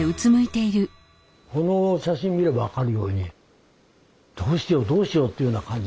この写真見れば分かるようにどうしようどうしようっていうような感じ。